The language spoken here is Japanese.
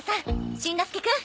しんのすけくん